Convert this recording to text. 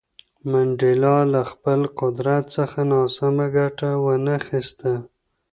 منډېلا له خپل قدرت څخه ناسمه ګټه ونه خیسته.